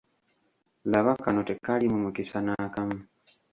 Laba kano tekaliimu mukisa n'akamu!